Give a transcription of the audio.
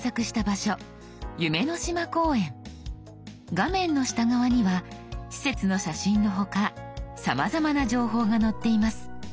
画面の下側には施設の写真の他さまざまな情報が載っています。